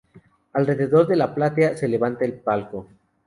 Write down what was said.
Alrededor de la platea se levanta el palco.